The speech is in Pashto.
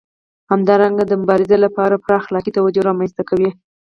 همدارنګه د مبارزې لپاره پوره اخلاقي توجیه رامنځته کوي.